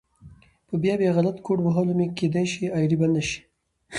په بيا بيا غلط کوډ وهلو مو کيدی شي آئيډي بنده شي